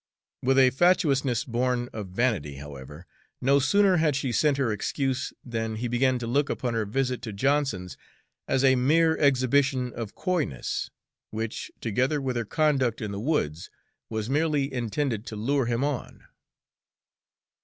With a fatuousness born of vanity, however, no sooner had she sent her excuse than he began to look upon her visit to Johnson's as a mere exhibition of coyness, which, together with her conduct in the woods, was merely intended to lure him on.